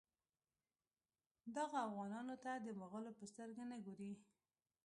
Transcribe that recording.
دغو اوغانانو ته د مغولو په سترګه نه ګوري.